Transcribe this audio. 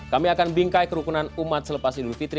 kami akan bingkai kerukunan umat selepas idul fitri